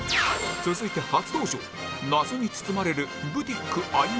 続いて初登場謎に包まれるブティックあゆみ